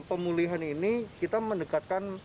pemulihan ini kita mendekatkan